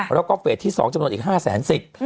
แล้วก็เฟสที่๒จำนวนอีก๕แสนสิทธิ์